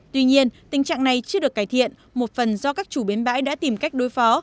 tuy nhiên tình trạng này chưa được cải thiện một phần do các chủ bến bãi đã tìm cách đối phó